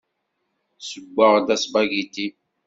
Ssewweɣ-d aspagiti.